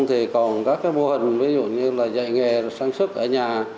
thì còn các cái mô hình ví dụ như là dạy nghề sản xuất ở nhà